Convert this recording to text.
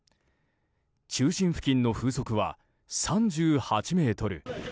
中心付近の風速は３８メートル。